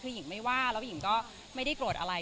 คือหญิงไม่ว่าแล้วหญิงก็ไม่ได้โกรธอะไร